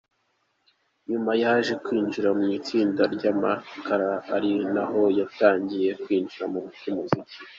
Nyuma yaje kwinjira mu itsinda ry’abakaraza ari naho yatangiye kwinjira mu by’umuziki.